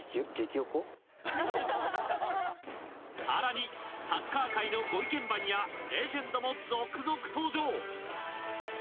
更にサッカー界の御意見番やレジェンドも続々登場。